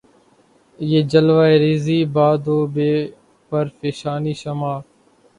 بہ جلوہ ریـزئ باد و بہ پرفشانیِ شمع